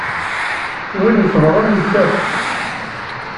Win iṣebbren, yettaf.